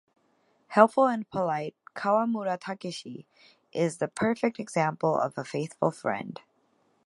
Helpful and polite, Kawamura Takashi is the perfect example of a faithful friend.